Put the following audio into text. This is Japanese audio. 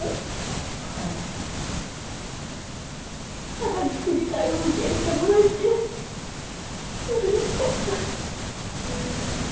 ただ「作りたい」を受け入れてもらえてうれしかった。